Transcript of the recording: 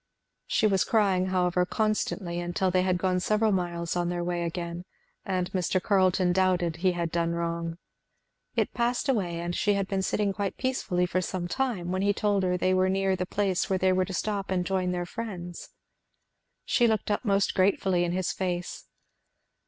She was crying however, constantly till they had gone several miles on their way again, and Mr. Carleton doubted he had done wrong. It passed away, and she had been sitting quite peacefully for some time, when he told her they were near the place where they were to stop and join their friends. She looked up most gratefully in his face.